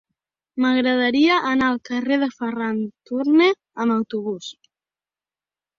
M'agradaria anar al carrer de Ferran Turné amb autobús.